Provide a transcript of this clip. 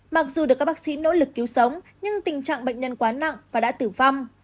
mặc dù được các bác sĩ nỗ lực cứu sống nhưng tình trạng bệnh nhân quá nặng và đã tử vong